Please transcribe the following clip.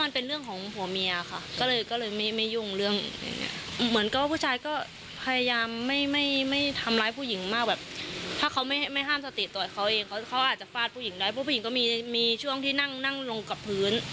แล้วก็ใช้มือตีแทน